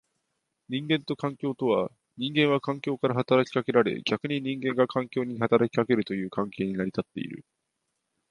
人間と環境とは、人間は環境から働きかけられ逆に人間が環境に働きかけるという関係に立っている。